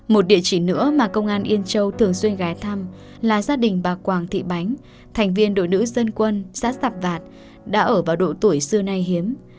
một địa chỉ nữa mà công an yên châu thường xuyên ghé thăm là gia đình bà quang thị bánh thành viên đội nữ dân quân xã sạp vạt đã ở vào độ tuổi xưa nay hiếm